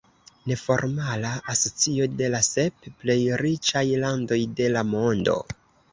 Neformala asocio de la sep plej riĉaj landoj de la mondo.